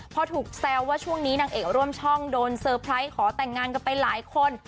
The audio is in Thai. พอถูกแซวว่าช่วงนี้นางเอกร่วมช่องโดนเตอร์ไพรส์ขอแต่งงานกันไปหลายคน